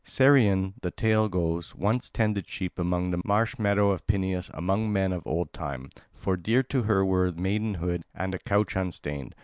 Cyrene, the tale goes, once tended sheep along the marsh meadow of Peneus among men of old time; for dear to her were maidenhood and a couch unstained.